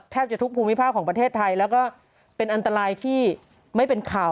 แทบจะทุกภูมิภาคของประเทศไทยแล้วก็เป็นอันตรายที่ไม่เป็นข่าว